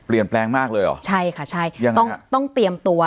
เปลี่ยนแปลงมากเลยเหรอใช่ค่ะใช่ยังต้องต้องเตรียมตัว